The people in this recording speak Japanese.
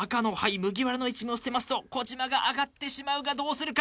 麦わらの一味を捨てますと児嶋があがってしまうがどうするか？